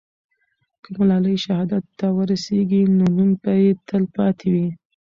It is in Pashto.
که ملالۍ شهادت ته ورسېږي، نو نوم به یې تل پاتې وي.